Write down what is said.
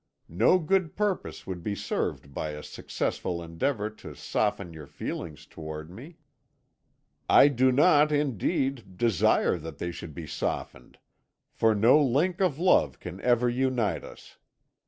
No good purpose would be served by a successful endeavour to soften your feelings towards me; I do not, indeed, desire that they should be softened, for no link of love can ever unite us.